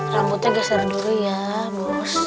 rambutnya geser dulu ya